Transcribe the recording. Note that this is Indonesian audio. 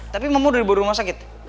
tapi mama udah dibawa rumah sakit